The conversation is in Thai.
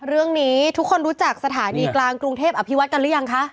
เรื่องนี้ทุกคนรู้จักสถานีกลางกรุงเทพอภิวัตกันหรือยังคะ